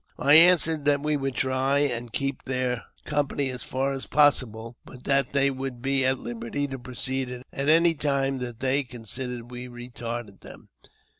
I answered that we would try and keep their company as far as possible, but that they would be at liberty to proceed at any time that they considered we retarded them.